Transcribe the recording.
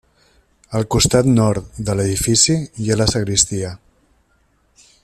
Al costat nord de l'edifici hi ha la sagristia.